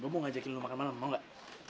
gue mau ngajakin lo makan malem mau gak